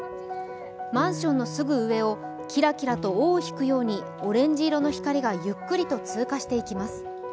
マンションのすぐ上をキラキラと尾を引くようにオレンジ色の光がゆっくりと通過していきます。